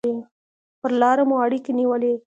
پر لاره مو اړیکې نیولې.